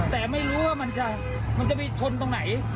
แต่ไม่รู้ว่ามันจะไปชนตรงไหน